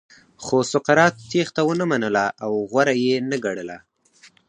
خو سقراط تېښته ونه منله او غوره یې نه ګڼله.